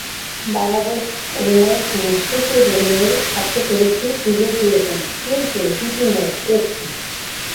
বাংলাদেশ অধিনায়ক মুশফিকুর রহিমের হাতে ট্রফিও তুলে দিয়েছেন, কিন্তু দুটি নয়, একটি।